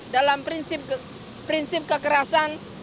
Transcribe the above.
dalam prinsip kekerasan